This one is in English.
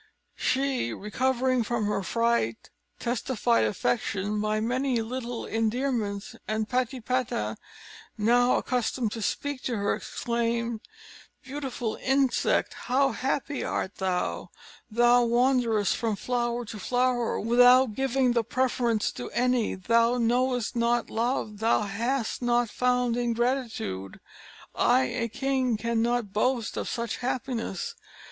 She, recovering from her fright, testified affection by many little endearments; and Patipata, now accustomed to speak to her, exclaimed: "Beautiful insect, how happy art thou! thou wanderest from flower to flower, without giving the preference to any thou knowest not love thou hast not found ingratitude! I, a king, can not boast of such happiness.